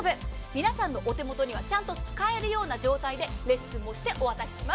皆さんのお手元にはちゃんと使える状態でレッスンもしてお渡しします。